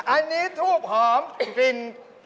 อันนี้ทูบหอมกลิ่น